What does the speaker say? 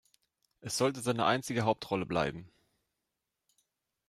Es sollte seine einzige Hauptrolle bleiben.